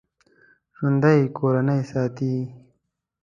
ژوندي کورنۍ ساتي